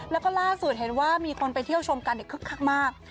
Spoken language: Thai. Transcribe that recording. แล้วก็ล่าสุดเห็นว่ามีคนไปเที่ยวชมกันคึกคักมาก